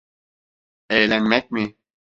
Eğlenmek mi?